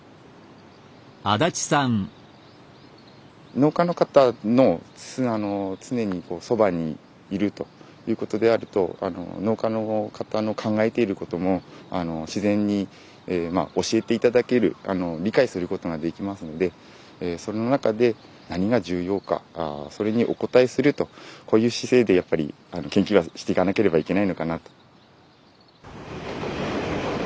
農家の方の常にそばにいるということであると農家の方の考えていることも自然にまあ教えて頂ける理解することができますのでその中で何が重要かそれにお応えするとこういう姿勢でやっぱり研究はしていかなければいけないのかなと。